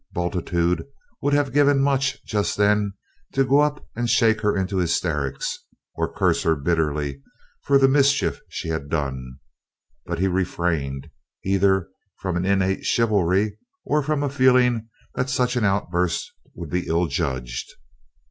Bultitude would have given much just then to go up and shake her into hysterics, or curse her bitterly for the mischief she had done; but he refrained, either from an innate chivalry, or from a feeling that such an outburst would be ill judged.